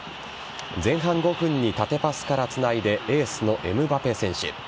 前半５分に縦パスからつないでエースのエムバペ選手。